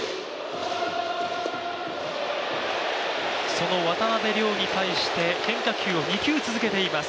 その渡邉諒に対して変化球を２球続けています。